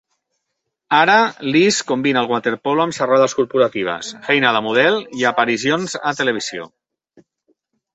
Ara, Liz combina el waterpolo amb xerrades corporatives, feina de model i aparicions a televisió.